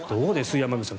山口さん